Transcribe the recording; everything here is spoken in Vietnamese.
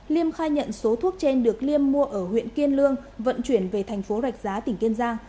liêm khai nhận số thuốc trên được liêm mua ở huyện kiên lương vận chuyển về thành phố rạch giá tỉnh kiên giang